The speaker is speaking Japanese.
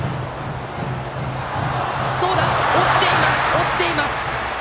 落ちています。